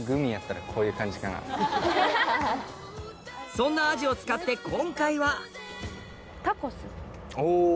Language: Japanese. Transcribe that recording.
そんなアジを使って今回はお！